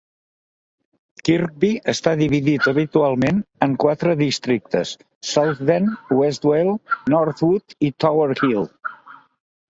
Kirkby està dividit habitualment en quatre districtes: Southdene, Westvale, Northwood i Tower Hill.